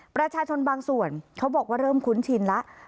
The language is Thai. ประชาชนบางส่วนเขาบอกว่าเริ่มคุ้นชินแล้ว